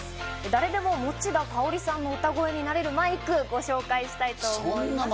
誰でも持田香織さんの歌声になれるマイクをご紹介したいと思います。